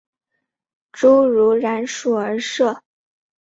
侏儒蚺属而设。